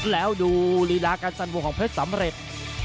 แล้วดูลีลาการสั่นวงของเพชรสำเร็จ